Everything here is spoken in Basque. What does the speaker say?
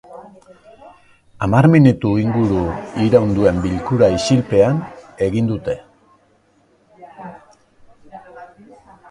Hamar minutu inguru iraun duen bilkura isilpean egin dute.